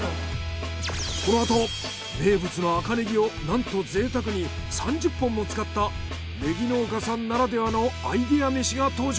このあと名物の赤ネギをなんとぜいたくに３０本も使ったネギ農家さんならではのアイデア飯が登場。